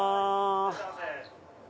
いらっしゃいませ。